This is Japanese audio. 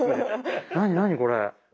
何何これ。